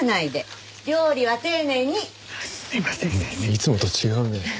いつもと違うね。